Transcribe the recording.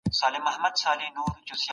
تاسي تل د خپلو مشرانو درناوی کوئ.